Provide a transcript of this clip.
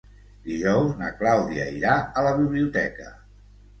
Dijous na Clàudia irà a la biblioteca.